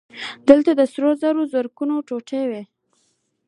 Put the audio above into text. دلته د سرو زرو زرګونه ټوټې وې